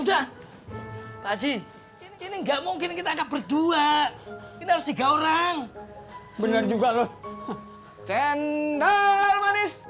udah pakcik ini enggak mungkin kita akan berdua ini harus tiga orang bener juga loh cendal manis